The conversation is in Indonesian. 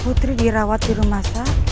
putri dirawat di rumah sakit